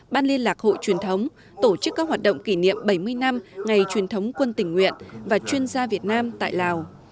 ban liên lạc hội truyền thống tổ chức các hoạt động kỷ niệm bảy mươi năm ngày truyền thống quân tình nguyện và chuyên gia việt nam tại lào